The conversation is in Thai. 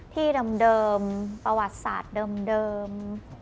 ที่เดิมประวัติศาสตร์เดิม